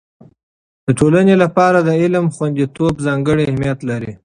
د ټولنې لپاره د علم خوندیتوب ځانګړی اهميت لري.